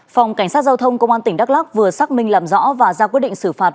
phòng cảnh sát giao thông công an tỉnh đắk lắk vừa xác định